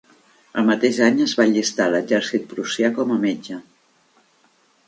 El mateix any es va allistar a l'exèrcit prussià com a metge.